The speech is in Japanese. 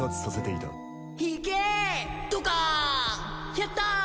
やった！